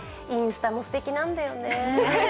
インスタもすてきなんだよねー。